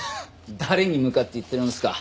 誰に向かって言ってるんすか？